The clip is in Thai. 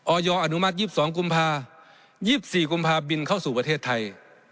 อนุมัติ๒๒กุมภา๒๔กุมภาพบินเข้าสู่ประเทศไทย